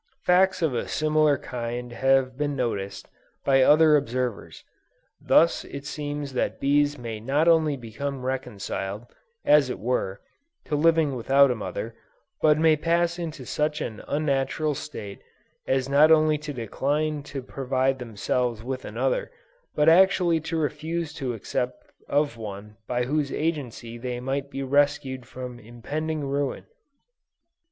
Facts of a similar kind have been noticed, by other observers: thus it seems that bees may not only become reconciled, as it were, to living without a mother, but may pass into such an unnatural state as not only to decline to provide themselves with another, but actually to refuse to accept of one by whose agency they might be rescued from impending ruin!